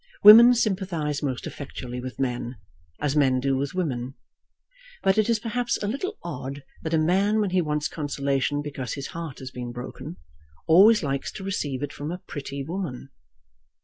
Women sympathise most effectually with men, as men do with women. But it is, perhaps, a little odd that a man when he wants consolation because his heart has been broken, always likes to receive it from a pretty woman.